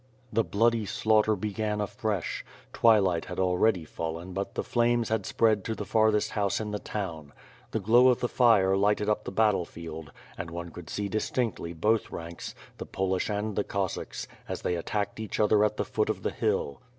The bloody slaughter began afresh. Twilight had already fallen but the flames had spread to the farthest house in the town. The glow of the fire lighted up the battle field, and one could see distinctly both ranks, the Polish and the Cos sacks, as they attacked each other at the foot of the hill.